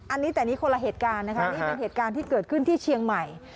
อันนี้แต่นี่คนละเหตุการณ์นะคะนี่เป็นเหตุการณ์ที่เกิดขึ้นที่เชียงใหม่